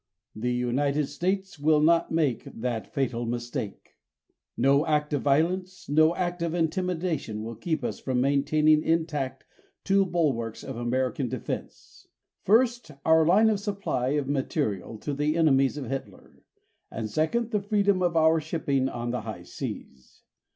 The United States will not make that fatal mistake. No act of violence, no act of intimidation will keep us from maintaining intact two bulwarks of American defense: First, our line of supply of material to the enemies of Hitler; and second, the freedom of our shipping on the high seas.